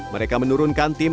mereka menurunkan tim